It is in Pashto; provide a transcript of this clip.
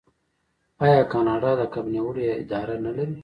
آیا کاناډا د کب نیولو اداره نلري؟